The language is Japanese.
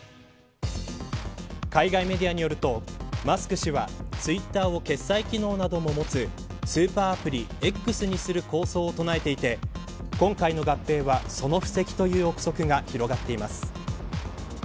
海外メディアによるとマスク氏はツイッターを決済機能なども持つスーパーアプリＸにする構想を唱えていて今回の合併はその布石という臆測が広がっています。